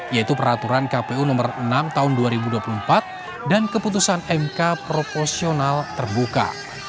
yaitu peraturan kpu nomor enam tahun dua ribu dua puluh empat dan keputusan mk proporsional terbuka